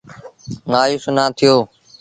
مآيوس نا ٿيو۔